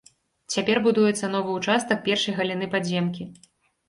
Цяпер будуецца новы ўчастак першай галіны падземкі.